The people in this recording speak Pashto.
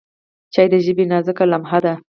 چای د ژمي نازکه لمحه ده.